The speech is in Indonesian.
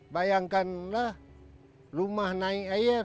bayangkanlah rumah naik air